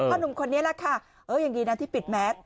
ตัวมันแบบนี้